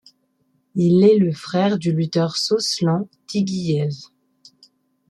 Il est le frère du lutteur Soslan Tigiyev.